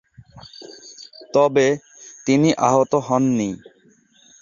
তবে, তিনি আহত হননি।